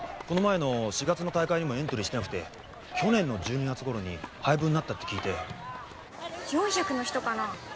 この前の４月の大会にもエントリーしてなくて去年の１２月頃に廃部になったって聞いて・４００の人かな？